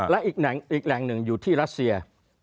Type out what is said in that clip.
และอีกแหล่งหนึ่งอยู่ที่รัสเซีย